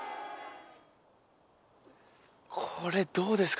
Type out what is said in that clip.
これどうですか？